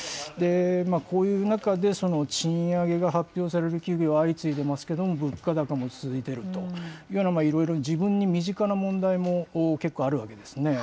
こういう中で、賃上げが発表される企業、相次いでますけれども、物価高も続いているというような、いろいろ、自分に身近な問題も結構あるわけですね。